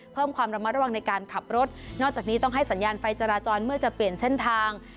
เพิ่มความระมัดระวังในการขับรถนอกจากนี้ต้องให้สัญญาณไฟจราจรเมื่อจะเปลี่ยนเส้นทาง